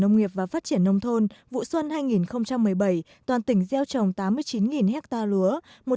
nông nghiệp và phát triển nông thôn vụ xuân hai nghìn một mươi bảy toàn tỉnh gieo trồng tám mươi chín hectare lúa